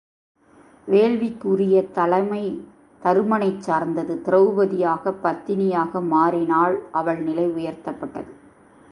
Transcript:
வேள்விக்கு உரிய தலைமை தருமனைச் சார்ந்தது திரெளபதி யாகபத்தினியாக மாறினாள் அவள் நிலை உயர்த்தப்பட்டது.